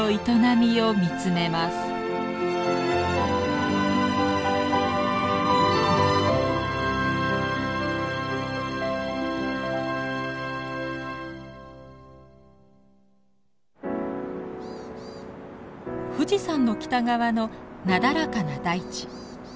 富士山の北側のなだらかな大地。